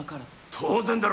当然だろ。